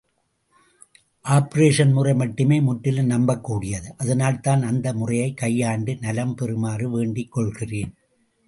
Operation முறை மட்டுமே முற்றிலும் நம்பக்கூடியது, அதனால்தான் அந்த முறையைக் கையாண்டு நலம் பெறுமாறு வேண்டிக் கொள்கிறேன்.